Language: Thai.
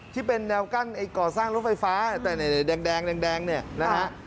ที่เป็นแนวกั้นก่อสร้างรถไฟฟ้าแต่แดงนะครับ